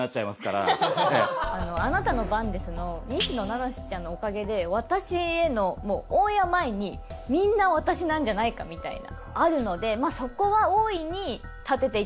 『あなたの番です』の西野七瀬ちゃんのおかげでオンエア前にみんな私なんじゃないかみたいなあるのでそこは大いに。